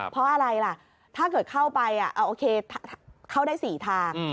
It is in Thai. เพราะอะไรล่ะถ้าเกิดเข้าไปโอเคเข้าได้๔ทาง